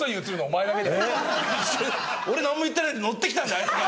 俺何も言ってないのに乗ってきたんだあいつが。